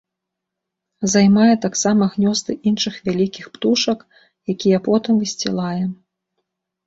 Займае таксама гнёзды іншых вялікіх птушак, якія потым высцілае.